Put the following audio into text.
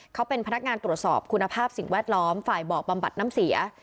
เขาเป็นพนักงานตรวจสอบคุณภาพสิ่งแวดล้อมฝ่ายบอกบำบัดน้ำเสีย